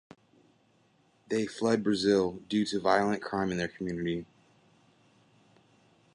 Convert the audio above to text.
They fled Brazil due to violent crime in their community.